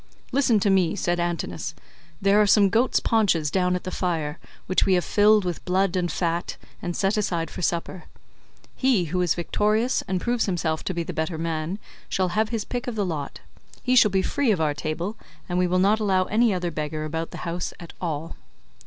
"Listen to me," said Antinous, "there are some goats' paunches down at the fire, which we have filled with blood and fat, and set aside for supper; he who is victorious and proves himself to be the better man shall have his pick of the lot; he shall be free of our table and we will not allow any other beggar about the house at all."